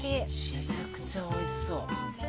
めちゃくちゃおいしそう。